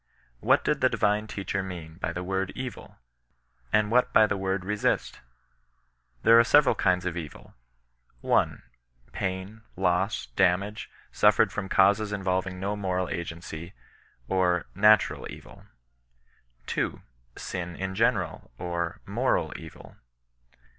What did the divine teacher mean by the word " m^," and what by the word resist V^ There are several kinds of evil, 1. Pain, loss, damage, suffered from causes involving no moral agency, or natural evil, 2. Sin in general, or moral eoil.